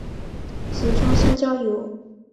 俗称香蕉油。